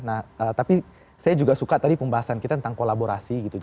nah tapi saya juga suka tadi pembahasan kita tentang kolaborasi gitu